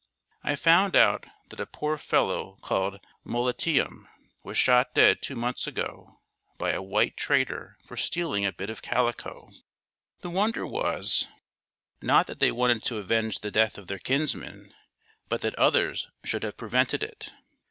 I found out that a poor fellow called Moliteum was shot dead two months ago by a white trader for stealing a bit of calico. The wonder was, not that they wanted to avenge the death of their kinsman, but that others should have prevented it.